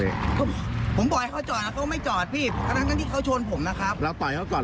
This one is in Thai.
เราต่อยเขาก่อนหรือเขาต่อยเราก่อน